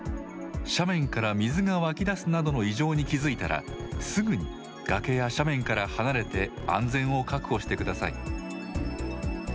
斜面から水が湧き出すなどの異常に気付いたらすぐに崖や斜面から離れて安全を確保してください。